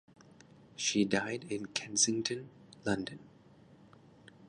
She died in Kensington, London.